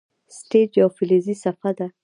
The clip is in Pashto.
سټیج یوه فلزي صفحه ده.